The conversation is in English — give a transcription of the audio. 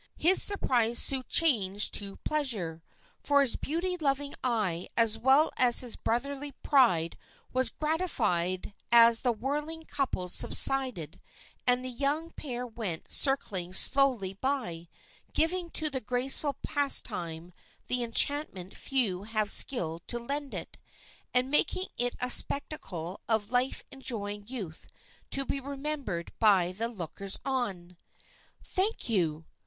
His surprise soon changed to pleasure, for his beauty loving eye as well as his brotherly pride was gratified as the whirling couples subsided and the young pair went circling slowly by, giving to the graceful pastime the enchantment few have skill to lend it, and making it a spectacle of life enjoying youth to be remembered by the lookers on. "Thank you!